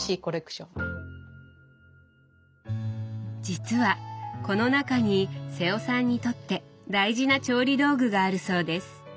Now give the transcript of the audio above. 実はこの中に瀬尾さんにとって大事な調理道具があるそうです。